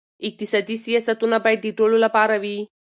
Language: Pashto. اقتصادي سیاستونه باید د ټولو لپاره وي.